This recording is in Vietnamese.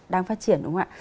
đang phát triển đúng không ạ